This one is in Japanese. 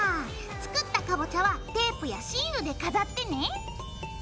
作ったかぼちゃはテープやシールで飾ってね。